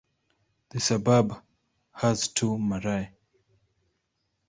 The suburb has two marae.